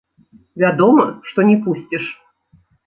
Вядома, што не пусціш.